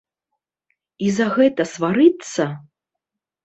І за гэта сварыцца?